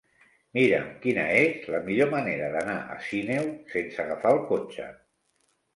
Mira'm quina és la millor manera d'anar a Sineu sense agafar el cotxe.